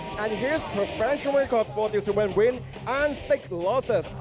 และกลุ่มประสบความพลาดของเขาสำหรับดินเตอร์แวนวินและสิคลอสเตอร์ส